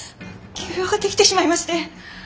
急用ができてしまいまして。